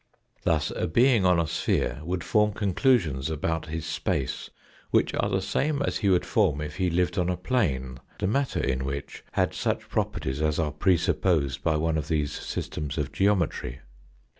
Thus a being on a sphere would form conclusions about his space which are the same as he would form if he lived on a plane, the matter in which had such properties as are presupposed by one of these systems of geometry.